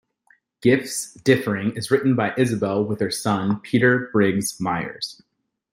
Gifts Differing is written by Isabel with her son, Peter Briggs Myers.